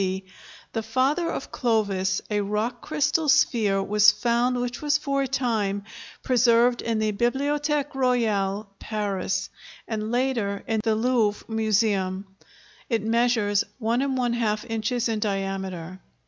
D.), the father of Clovis, a rock crystal sphere was found which was for a time preserved in the Bibliothèque Royale, Paris, and later in the Louvre Museum; it measures 1½ inches in diameter.